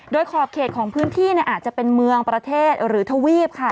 โดยขอบเขตของพื้นที่อาจจะเป็นเมืองประเทศหรือทวีปค่ะ